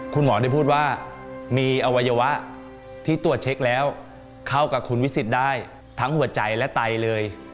คุณหมอได้พูดว่ามีอวัยวะที่ตรวจเช็คแล้วเข้ากับคุณวิสิทธิ์ได้ทั้งหัวใจและไตเลย